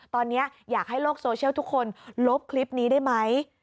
ตอนนี้อยากให้โลกโซเชียลทุกคนลบคลิปนี้ได้ไหม